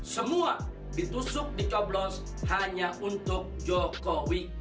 semua ditusuk dicoblos hanya untuk jokowi